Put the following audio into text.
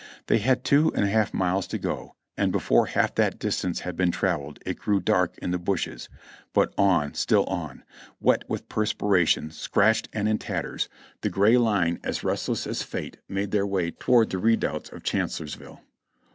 They had two and a half miles to go, and before half that distance had been traveled it grew dark in the bushes, but on, still on ; wet with perspiration, scratched and in tatters, the gray CHANCELLORSVILIvE 359 line, as restless as fate, made their way toward the redoubts of Chancellorsville.